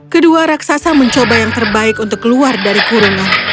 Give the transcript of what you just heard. kedua raksasa mencoba yang terbaik untuk keluar dari kurungan